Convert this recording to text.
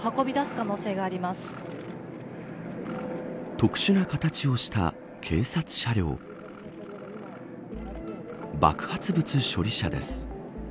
特殊な形をした警察車両爆発物処理車です。